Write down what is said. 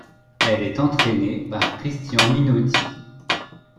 Elle est entraînée par Christian Minotti.